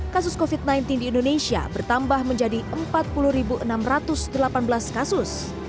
kasus covid sembilan belas di indonesia bertambah menjadi empat puluh enam ratus delapan belas kasus